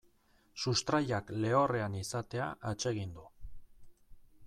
Sustraiak lehorrean izatea atsegin du.